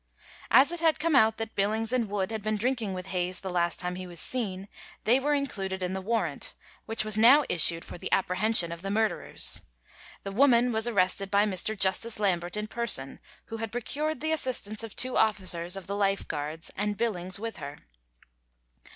As it had come out that Billings and Wood had been drinking with Hayes the last time he was seen, they were included in the warrant, which was now issued for the apprehension of the murderers. The woman was arrested by Mr. Justice Lambert in person, who had "procured the assistance of two officers of the Life Guards," and Billings with her.